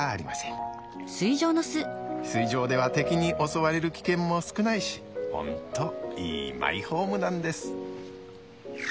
水上では敵に襲われる危険も少ないしホントいいマイホームなんです。